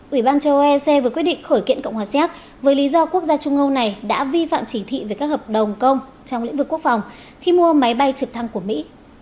ủy ban châu âu ec vừa quyết định khởi kiện cộng hòa xéc với lý do quốc gia trung âu này đã vi phạm chỉ thị về các hợp đồng công trong lĩnh vực quốc phòng khi mua máy bay trực thăng của mỹ